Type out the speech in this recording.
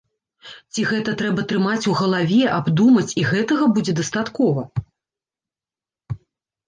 Ці гэта трэба трымаць у галаве, абдумаць, і гэтага будзе дастаткова?